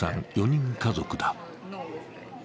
４人家族だ。